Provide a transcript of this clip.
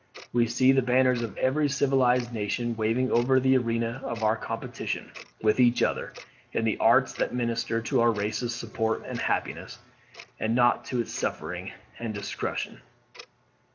We see the banners of every civilized nation waving over the arena of our competition with each other, in the arts that minister to our race's support and happiness, and not to its suffering and destruction.